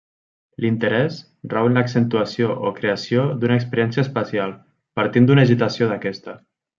L'interès rau en l'accentuació o creació d'una experiència espacial partint d'una agitació d'aquesta.